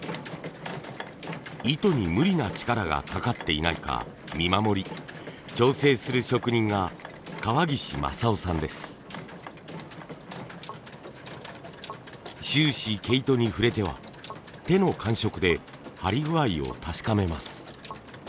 糸に無理な力がかかっていないか見守り調整する職人が終始毛糸に触れては手の感触で張り具合を確かめます。